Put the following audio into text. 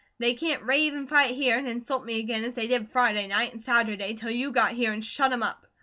They can't rave and fight here, and insult me again, as they did Friday night and Saturday till you got here an' shut 'em up.